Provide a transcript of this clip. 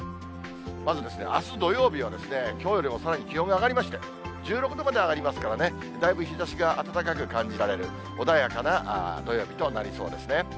まず、あす土曜日はきょうよりもさらに気温が上がりまして、１６度まで上がりますからね、だいぶ日ざしが暖かく感じられる、穏やかな土曜日となりそうですね。